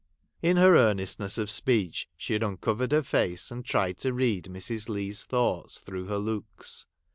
In her earnestness of speech she had un covered her face, and tried to read Mrs. Leigh's thoughts through her looks.